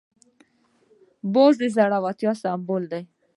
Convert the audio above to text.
باز د زړورتیا سمبول دی